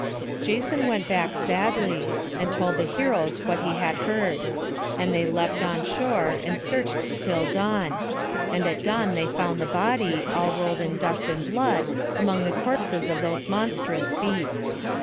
Jason went back sadly, and told the heroes what he had heard. And they leapt on shore, and searched till dawn; and at dawn they found the body, all rolled in dust and blood, among the corpses of those monstrous beasts.